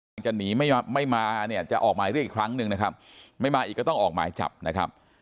ใครจะหนีไม่มาเนี่ยจะออกหมายเรียกอีกครั้งหนึ่งนะครับไม่มาอีกก็ต้องออกหมายจับนะครับ